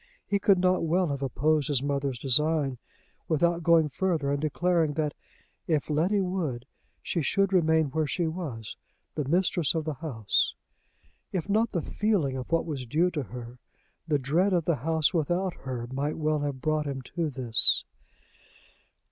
He could not well have opposed his mother's design without going further and declaring that, if Letty would, she should remain where she was, the mistress of the house. If not the feeling of what was due to her, the dread of the house without her might well have brought him to this.